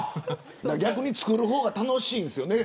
逆に作る方が楽しいんですよね。